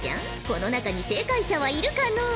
この中に正解者はいるかのう？